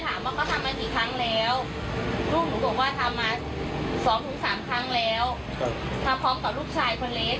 ถ้าบอกกับแม่จะฆ่าให้ตาย